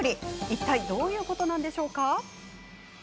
いったいどういうことなんでしょうか？